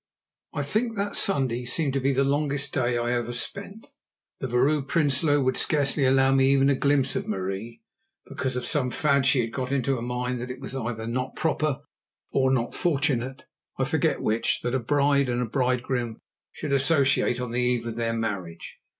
I think that Sunday seemed the longest day I ever spent. The Vrouw Prinsloo would scarcely allow me even a glimpse of Marie, because of some fad she had got into her mind that it was either not proper or not fortunate, I forget which, that a bride and bridegroom should associate on the eve of their marriage.